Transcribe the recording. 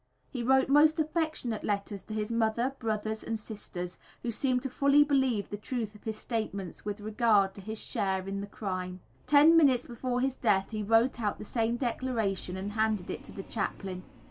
He wrote most affectionate letters to his mother, brothers and sisters; who seemed to fully believe the truth of his statements with regard to his share in the crime. Ten minutes before his death he wrote out the same declaration and handed it to the chaplain.